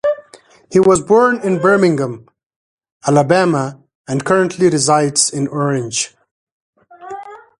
He was born in Birmingham, Alabama, and currently resides in Orange.